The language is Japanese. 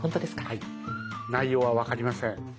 内容は分かりません。